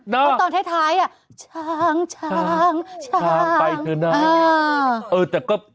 ตอนท้ายท้ายอะช้างช้างช้างไปเถอะนะเออแต่ก็